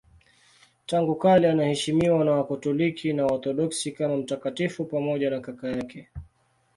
Tangu kale anaheshimiwa na Wakatoliki na Waorthodoksi kama mtakatifu pamoja na kaka yake.